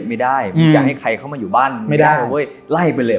ไม่ได้มึงจะให้ใครเข้ามาอยู่บ้านไม่ได้เว้ยไล่ไปเลย